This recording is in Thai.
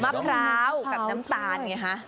มะพร้าวกับน้ำตาลไงฮะ